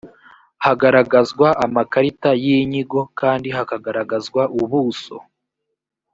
hagaragazwa amakarita y’inyigo kandi hakagaragazwa ubuso